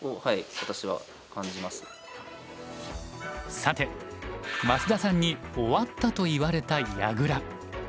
さて増田さんに終わったと言われた矢倉。